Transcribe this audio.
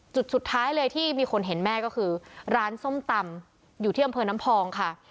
จุดสุดท้ายเลยที่มีคนเห็นแม่ก็คือร้านส้มตำอยู่ที่อำเภอน้ำพองค่ะ